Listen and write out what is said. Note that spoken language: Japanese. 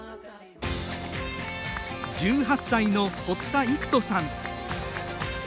１８歳の堀田幾翔さん。